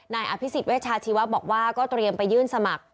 นายอภิษฎเวชาชีวะบอกว่าก็เตรียมไปยื่นสมัคร